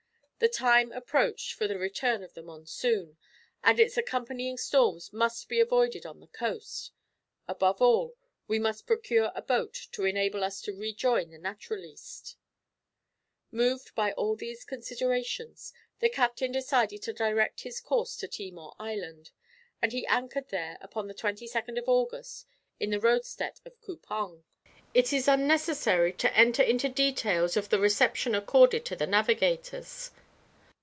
The time approached for the return of the monsoon, and its accompanying storms must be avoided on this coast; above all, we must procure a boat to enable us to rejoin the Naturaliste." Moved by all these considerations, the captain decided to direct his course to Timor Island, and he anchored there upon the 22nd of August, in the roadstead of Coupang. It is unnecessary to enter into details of the reception accorded to the navigators.